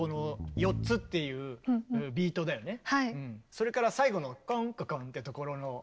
それから最後のコンココンってところの味。